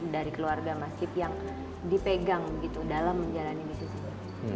dari keluarga mas gip yang dipegang gitu dalam menjalani bisnis ini